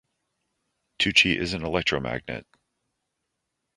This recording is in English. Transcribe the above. Tucci is an electromagnet.